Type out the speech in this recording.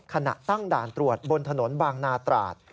ขณะตั้งด่านตรวจบนถนนบางนาตราด